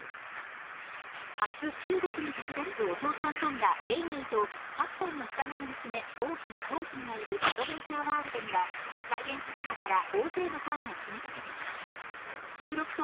明日、中国に旅立つお父さんパンダ・永明と８歳の双子の娘、桜浜、桃浜がいるアドベンチャーワールドには開園直後から大勢のファンが詰めかけています。